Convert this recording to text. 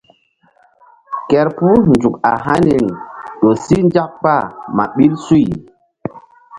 Kerpuh nzuk a haniri ƴo si nzak kpah ma ɓil suy.